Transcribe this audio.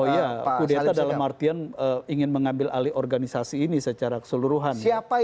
oh iya kudeta dalam artian ingin mengambil alih organisasi ini secara keseluruhan